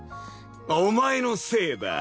お前のせいだ。